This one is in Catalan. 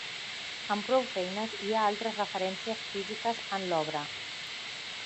Amb prou feines, hi ha altres referències físiques en l'obra.